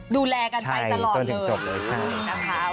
ดูแลกันไปตลอดเลยจบเลยค่ะนะคะ